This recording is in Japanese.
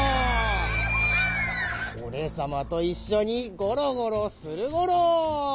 おれさまといっしょにゴロゴロするゴロ。